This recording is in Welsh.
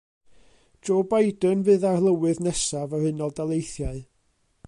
Joe Biden fydd arlywydd nesaf yr Unol Daleithiau.